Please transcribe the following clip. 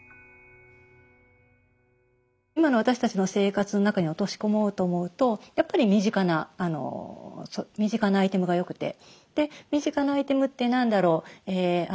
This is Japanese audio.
今の私たちの生活の中に落とし込もうと思うとやっぱり身近なアイテムがよくてで身近なアイテムって何だろう。